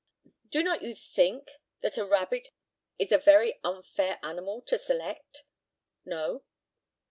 Do not you think that a rabbit is a very unfair animal to select? No.